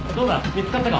見つかったか？